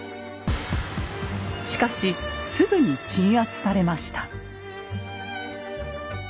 しかしすぐに鎮圧されました。